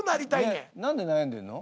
ねっ何で悩んでんの？